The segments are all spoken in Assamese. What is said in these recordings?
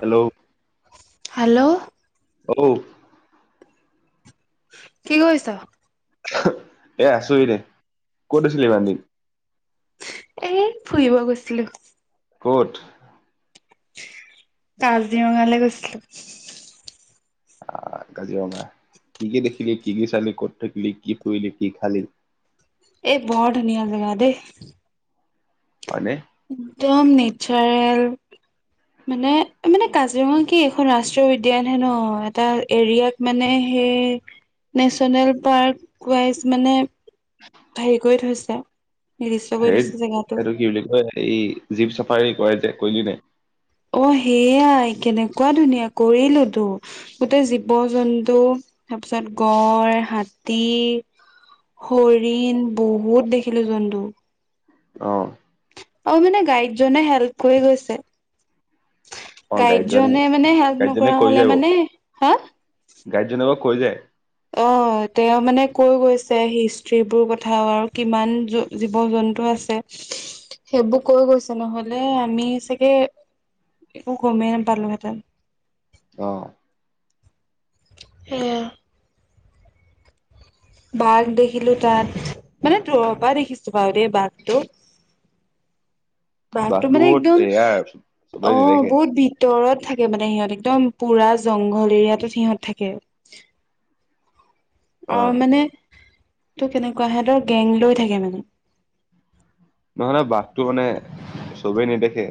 হেল্ল'। হেল্ল'। অঔ। কি কৰিছ? এ আছো এনে ক'ত আছিলি ইমান [unintelligible] দিন এই ফুৰিব গৈছিলোঁ। ক'ত? কাজিৰঙালৈ গৈছিলোঁ। আহ, কাজিৰঙা। কি কি দেখিলি, কি কি চালি, ক'ত থাকিলি, কি ফুৰিলি, কি খালি? এই বৰ ধুনীয়া জাগা দেই। হয়নে? একদম নেচাৰেল মানে-মানে কাজিৰঙা কি এখন ৰাষ্ট্ৰীয় উদ্যয়ান হে ন'। এটা এৰিয়াক মানে সেই নেশচনেল পাৰ্ক ৱাইজ মানে [unintelligible] হেৰি কৰি থৈছে। নিৰ্দিষ্ট কৰি হেৰিত, থৈছে জেগাটো এইটো কি বুলি কয়, এই জীপ চাফাৰী কৰাই যে কৰিলিনে নাই? অহ, সেয়াই কেনেকুৱা ধুনীয়া, কৰিলোতো। গোটেই জীৱ-জন্তু তাৰপিছত গড় হাতী হৰিণ বহুত দেখিলোঁ জন্তু। অহ। অহ, মানে গাইডজনে হেল্প কৰি গৈছে। অ গাইডজন সি গাইডজনে মানে হেল্প গাইডজনে নকৰা কৈ হ'লে যায় বাৰু মানে, হা! গাইডজনে আকৌ কৈ যায়। অহ, তেওঁ মানে কৈ গৈছে হিষ্ট্ৰীবোৰ কথাও আৰু কিমান জ-জীৱ-জন্তু আছে। সেইবোৰ কৈ গৈছে নহ'লে আমি চাগে একো গমে নাপালো হেতেঁন। অহ। সেয়া। বাঘ দেখিলোঁ তাত, মানে দূৰৰ পৰা দেখিছোঁ বাৰু দেই বাঘটো। বাঘটো মানে বহুত একদম ৰেয়াৰ চবেই অহ, নেদেখে বহুত ভি ভিতৰত থাকে মানে সিহঁত, একদম পুৰা জংগল এৰিয়াটো সিহঁত থাকে। অ অহ, মানে তোৰ কেনেকুৱা সিহঁতৰ গেং লৈ থাকে মানে। নহ'লে বাঘটো মানে চবেই নেদেখে।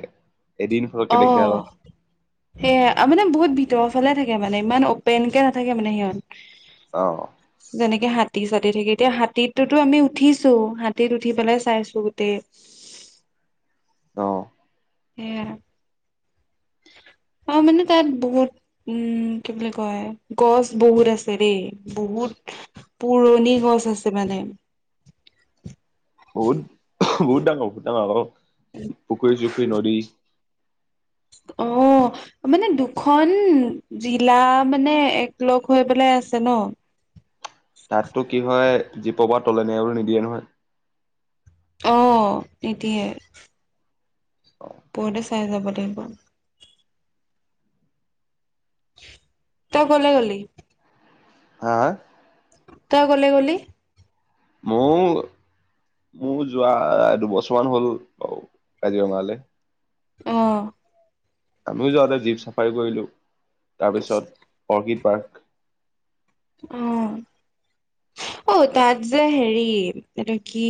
এদিন ফটককে দেখে অহ। আৰু সেইয়া আৰু মানে বহুত ভিতৰৰ ফালে থাকে মানে, ইমান অপেনকে নাথাকে মানে সিহঁত। অহ। যেনেকে হাতী-চাতী থাকে। এতিয়া হাতীতটোতো আমি উঠিছোঁ, হাতীত উঠি পেলাই চাইছোঁ গোটেই। অহ। সেয়া। অ মানে তাত বহুত উম কি বুলি কয় গছ বহুত আছে দেই। বহুত পুৰণি গছ আছে মানে। বহুত বহুত ডাঙ। [unintelligible] পুখুৰী চুখুৰী নদী অ, মানে দুখন জিলা মানে একেলগ হৈ পেলাই আছে ন। তাত তো কি হয় জীপ পা তলে নিয়াবলে নিদিয়ে নহয়। অ, নিদিয়ে। অ। পৰুতে চাই যাব লাগিব। তই কলে গলি? হা হা? তই কলে গ'লি? মও মো যোৱা দুবছৰমান হ'ল বাও কাজিৰঙালে। অ। আমিও যাওঁতে জীপ চাফাৰী কৰিলোঁ। তাৰপিছত অৰ্কিড পাৰ্ক। অ। অ তাত যে হেৰি, এইটো কি?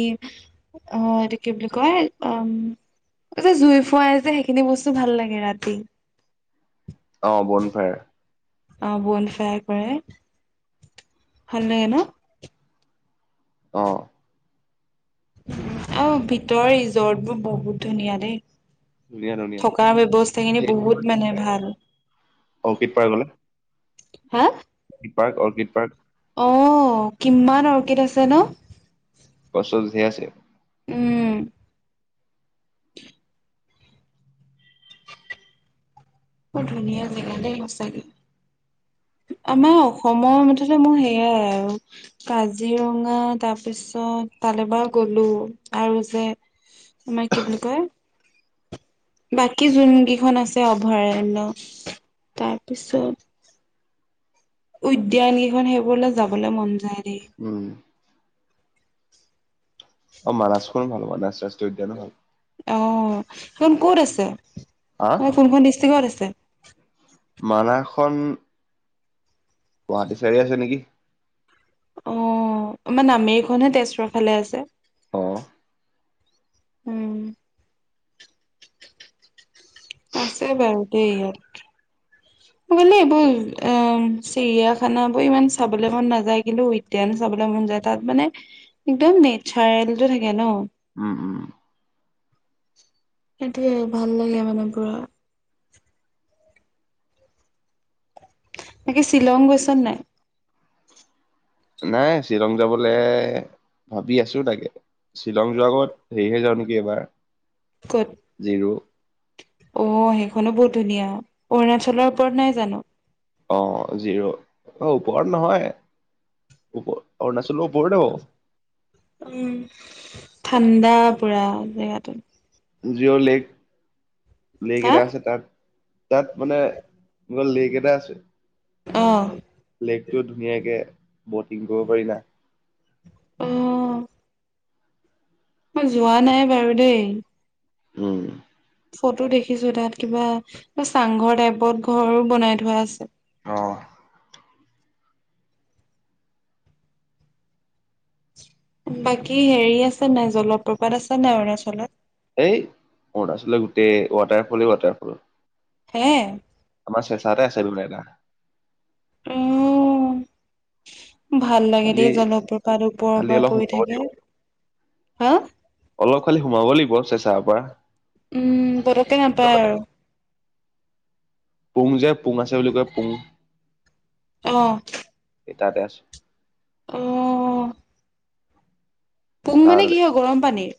অ এইটো কি বুলি কয়? উম। এইটো জুই ফুৱাই যে, সেইখিনি বস্তু ভাল লাগে ৰাতি। অ বন ফায়াৰ। অ বন ফায়াৰ কৰে। ভাল লাগে ন? অ। অ ভিতৰ ৰিজৰ্ট বোৰ বহুত ধুনীয়া দেই। ধুনীয়া ধুনীয়া থকা ব্যৱস্থা খিনি বহুত মানে ভাল। অৰ্কিড পাৰ্কলে হা? Park orchid park. অ, কিমান অৰ্কিড আছে ন? গছ চছ ধেৰ আছে। উম। বৰ ধুনীয়া জেগা দেই সঁচাকে। আম অসম মুঠতে মো হেয়াই আৰু। কাজিৰঙা তাৰপিছত তালৈ বা গ'লো আৰু যে, মাই কি বুলি কয়? বাকী যোন কিখন আছে অভয়াৰণ্য। তাৰপিছত উদ্যান কিখন সেইবোৰলে যাবলে মন যায় দেই। উম। অ মানাস খনো ভাল হব, মানাস ৰাষ্ট্ৰীয় উদ্যানো ভাল। অঁ, সেইখন কত আছে? হা কোনখন ডিষ্ট্ৰিকত আছে? মানাহ খন গুৱাহাটী চাইডে আছে নেকি? অ, নামেৰি খনহে তেজপুৰ ফালে আছে। অ। উম। আছে বাৰু দেই ইয়াত। বোলে এইবোৰ এ চিৰিয়াখানা বোৰ ইমান চাবলৈ মন নাযায় কিন্তু উই দ্যান চাবলৈ মন যায় তাত মানে একদম নেচাৰেলটো থাকে ন উম উম সেইটোয়ে ভাল লাগে মানে পোৰা বাকী শ্বিলং গৈছা নে নাই নাই শ্বিলং যাবলে ভাবি আছো তাকে শ্বিলং যোৱাৰ আগত হেৰী হৈ যাও নেকি এবাৰ চে'ত জিৰ' অ' সেইখনো বহুত ধুনীয়া অৰুণাচলৰ ওপৰত নাই জানো অঁ জিৰ' অ ওপৰত নহয় ওপ অৰুণাচলৰ ওপৰতে হব উম ঠাণ্ডা পুৰা জেগাতোত জিৰ' লেক লেক হা এটা আছে তাত তাত মানে কিবা লে'ক এটা আছে অ লেকটোত ধুনীয়াকে ব'টিং কৰিব পাৰিলা অ মই যোৱা নাই বাৰু দেই উম ফটো দেখিছো তাত কিবা এ চাংঘৰ টাইপত ঘৰ বনাই থোৱা আছে অ বাকী হেৰি আছে নে নাই জলপ্ৰপাত আছে নাই অৰুণাচলত? হেই অৰুণাচলত গোটেই ৱাটাৰফলে ৱাটাৰফল হে! আমাৰ চেচাতে আছে বোলে এটা উম! ভাল লাগে খালি দেই জলপ্ৰপাত ওপৰৰ খালি পৰা অলপ পৰি সোমাব থাকে। লাগিব হা অলপ খালি সোমাব লাগিব চেচাৰ পৰা উম পতককে নাপায় আৰু পুং যে পুং আছে বুলি কয় পুং অ এই তাতে আছে অ পুং তাৰ মানে কি হয় গৰম পানীৰ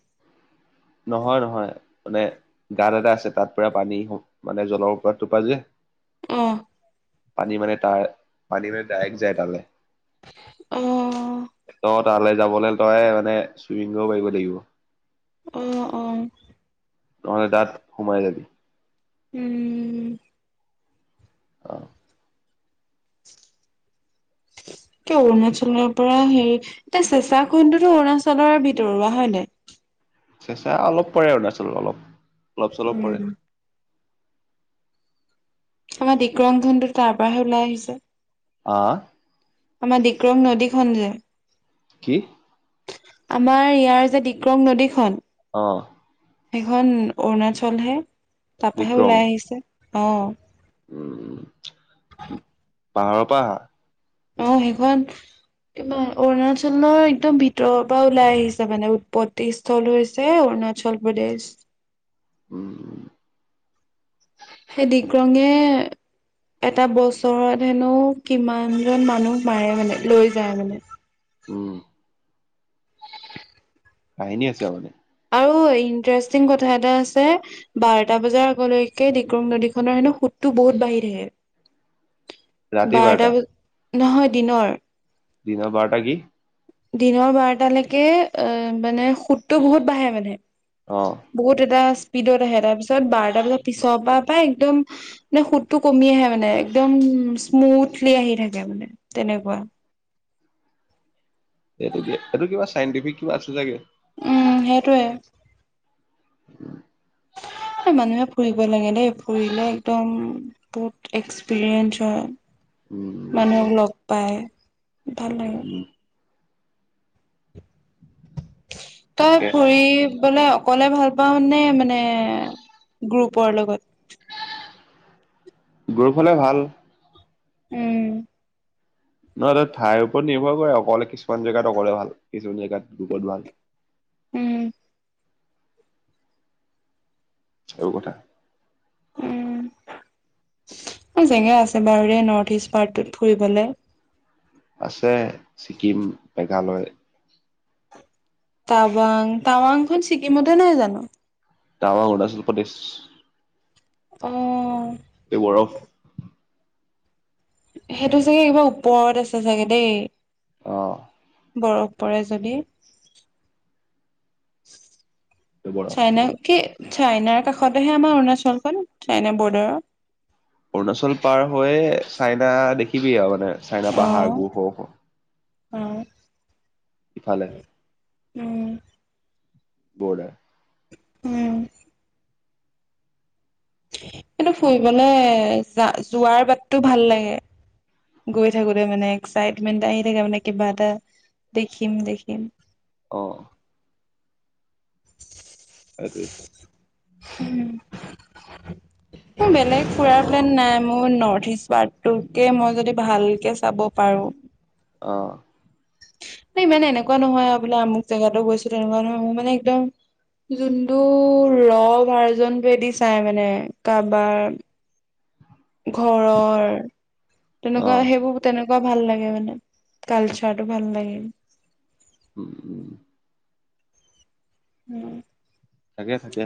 নহয় নহয় মানে গাত এটা আছে তাত পুৰা পানী হ মানে জলৰ ওপৰত টোপা যে অ পানী মানে তাৰ পানী মানে ডাইক যাই তালে অ ত তালে যাবলে হলে তই মানে চুইং কইব পাৰিব লাগিব অ অ তহলে তাত সোমাই যাবি উম অ এ অৰুণাচলৰ পৰা সেই তে চেঁচা কুণ্ডটো অৰুণাচলৰে ভিতৰুৱা হয় নাই চেচা অলপ পৰে অৰুণাচলত অলপ অলপ চলপ উম পৰে আমাৰ ডিক্ৰং ধনতো তাৰ পৰাহে ওলাই আহিছে আ আমাৰ ডিক্ৰং নদী খন যে কি? আমাৰ ইয়াৰ যে ডিক্ৰং নদীখন অ সেইখন অৰুণাচলহে তাপাহে বিক্ৰম ওলাই আহিছে অ উম পাহাৰৰ পৰা আহা অ সেখন ইমা অৰুণাচলৰ একদম ভিতৰৰ পৰা ওলাই আহিছে মানে উৎপত্তি স্থল হৈছে অৰুণাচল প্ৰদেশ। উম সেই ডিক্ৰঙে এটা বছৰত হেনো কিমান জন মানুহ মাৰে মানে লৈ যায় মানে উম কাহিনী আছে আৰু মানে আৰু এণ্টেৰেষ্টিং কথা এটা আছে বাৰটা বজাৰ আগলৈকে ডিক্ৰং নদীখনৰ হেনু সোতটো বহুত বাঢ়ি থাকে বাৰটা বজ নহয় দিনৰ দিনৰ বাৰটা কি? দিনৰ বাৰটালৈকে অ মানে সুতটো বহুত বাঢ়ে মানে অ বহুত এটা স্পীডত আহে তাৰ পিছত বাৰটা বজাৰ পিছৰ পৰাই একদম সুতটো কমি আহে মানে একদম স্মুথলি আহি থাকে মানে তেনেকুৱা এইটো কি এইটো কিবা চাইণ্টিফিক কিবা আছে চাগে উম সেইটোৱে [unintelligible] মানুহে ফুৰিব লাগে দেই ফুৰিলে একদম বহুত এক্সপেৰিয়েন্স হয় উম মানুহক লগ পাই ভাল লাগে উম, তই তাকে ফুৰিবলে অকলে ভাল পাও নে মানে, গ্ৰুপৰ লগত? গ্ৰুপহলে ভাল উম নহয় নহয় ঠাইৰ ওপৰত নিৰ্ভৰ কৰে অকলে কিছুমান জেগাত অকলে ভাল, কিছুমান জেগাত দুজন ভাল উম এইবোৰ কথা উম জেগা আছে বাৰু এই নৰ্থ ইষ্ট পাৰ্টটোত ফুৰিবলে আছে ছিকিম, মেঘালয় টাৱাং টাৱাংখন ছিকিমতে নাই জানো? টাৱাং অৰুণাচল প্ৰদেশ অ এই বৰফ সেইটো চাগে একেবাৰে ওপৰত আছে চাগে দেই অঁ বৰফ পৰে যদি বৰফ। চাইনা কি চাইনাৰ কাষতেহে আমাৰ অৰুণাচলখন চাইনা বৰ্ডাৰৰ অৰুণাচল পাৰ হৈয়ে চাইনা দেখিবিয়ে আৰু মানে। চাইনা অ', পাহাৰবোৰ সৰু সৰু। অ'। ইফালে উম। বৰ্ডাৰ। উম। এইটো ফুৰিবলে যা- যোৱাৰ বাটটো ভাল লাগে। গৈ থাকোতে মানে এক্সাইটমেন্ট এটা আহি থাকে মানে কিবা এটা দেখিম দেখিম। অ'। সেইটোৱে। এ বেলেগ ফুৰাৰ প্লেন নাই মোৰ। নৰ্থইষ্ট পাৰ্টটোকে মই যদি ভালকে চাব পাৰোঁ। অ'। ইমান এনেকুৱা নহয় আও বোলে আমুক জেগাতো গৈছিলো তেনেকুৱা নহয়। মোৰ মানে একদম যোনটো ৰ' ভাৰ্জনটোয়েদি চাই মানে কাবাৰ ঘৰৰ তেনেকুৱা অ'। সেইবোৰ তেনেকুৱা ভাল লাগে মানে। কালচাৰটো ভাল লাগে। উম। উম। থাকে থাকে।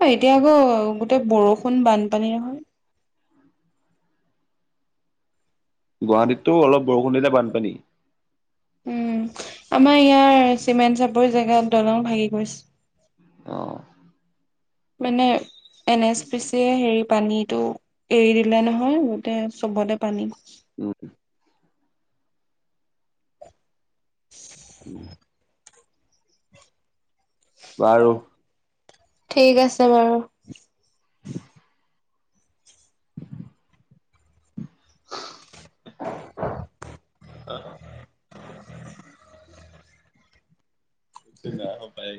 অ' এতিয়া আকৌ গোটেই বৰষুণ বানপানী নহয়। গুৱাহাটীতটো অলপ বৰষুণ দিলে বানপানী। উম, আমাৰ ইয়াৰ চিমেণ্ট চাপৰি জেগাত দলং ভাগি পৰিছে। অ'। মেনে এন এছ পি চিয়ে হেৰি পানীটো এৰি দিলে নহয়, গোটেই চবতে পানী। অ'। উম, [inaudible] বাৰু ঠিক আছে বাৰু। আহ [unintelligible] হ পাৰি